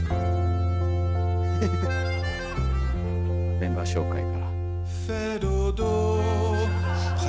メンバー紹介から。